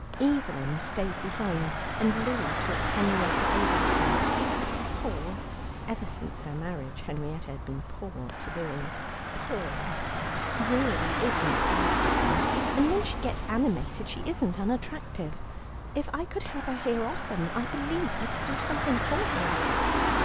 Evelyn stayed behind, and Louie talked Henrietta over with her. "Poor," ever since her marriage Henrietta had been "poor" to Louie, "Poor Etta really isn't bad looking, and when she gets animated she isn't unattractive. If I could have her here often, I believe I could do something for her."